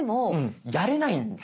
やれないんですよ。